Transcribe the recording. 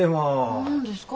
何ですか？